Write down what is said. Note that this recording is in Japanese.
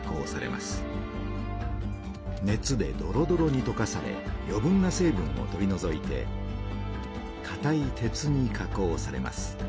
熱でドロドロにとかされよ分な成分を取りのぞいてかたい鉄に加工されます。